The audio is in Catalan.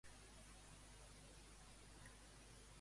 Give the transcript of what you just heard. Segons Xaneta, què li falta al barret d'en Llambregues?